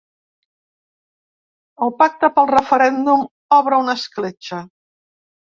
El pacte pel referèndum obre una escletxa.